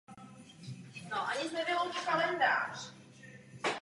Vrchol kopce a jeho okolí byly osídlené již v pravěku.